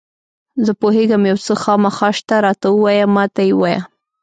زه پوهېږم یو څه خامخا شته، راته ووایه، ما ته یې ووایه.